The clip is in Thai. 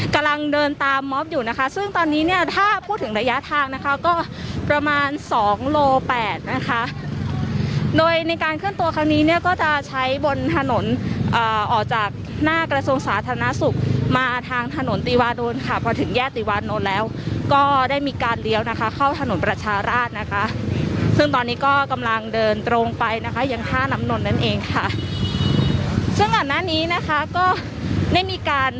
กำลังเดินตามมอบอยู่นะคะซึ่งตอนนี้เนี่ยถ้าพูดถึงระยะทางนะคะก็ประมาณสองโลแปดนะคะโดยในการเคลื่อนตัวครั้งนี้เนี่ยก็จะใช้บนถนนออกจากหน้ากระทรวงสาธารณสุขมาทางถนนตีวาโดนค่ะพอถึงแยกติวานนท์แล้วก็ได้มีการเลี้ยวนะคะเข้าถนนประชาราชนะคะซึ่งตอนนี้ก็กำลังเดินตรงไปนะคะยังท่าน้ำนนท์นั่นเองค่ะซึ่งก่อนหน้านี้นะคะก็ได้มีการ